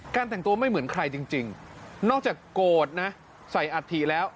แต่งตัวไม่เหมือนใครจริงนอกจากโกรธนะใส่อัฐิแล้ว